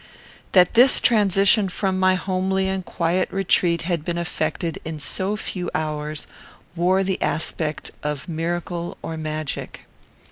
That this transition from my homely and quiet retreat had been effected in so few hours wore the aspect of miracle or magic.